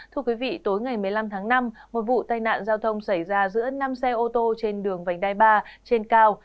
thưa quý vị tối ngày một mươi năm tháng năm một vụ tai nạn giao thông xảy ra giữa năm xe ô tô trên đường vành đai ba trên cao